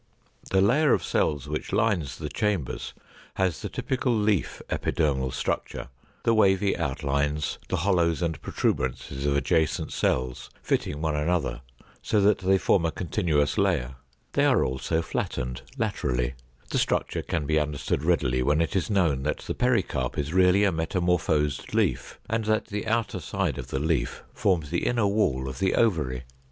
The layer of cells which lines the chambers has the typical leaf epidermal structure, the wavy outlines, the hollows and protuberances of adjoining cells fitting one another so that they form a continuous layer. They are also flattened laterally. The structure can be understood readily when it is known that the pericarp is really a metamorphosed leaf and that the outer side of the leaf forms the inner wall of the ovary.